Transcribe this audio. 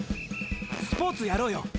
スポーツやろうよ。